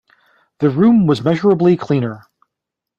The room was measurably cleaner.